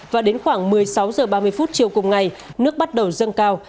và đến khoảng một mươi sáu h ba mươi phút chiều cùng ngày nước bắt đầu dâng cao